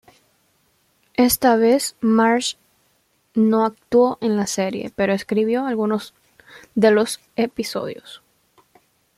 Esta vez, Marsh no actuó en la serie, pero escribió algunos de los episodios.